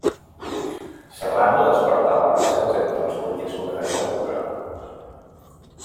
Serrano despertava recels entre els polítics moderats de l'època.